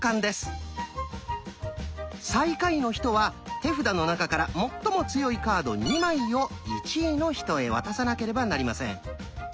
最下位の人は手札の中から最も強いカード２枚を１位の人へ渡さなければなりません。